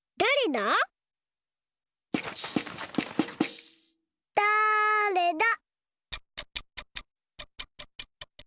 だれだ？